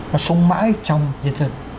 nó sống mãi trong nhân dân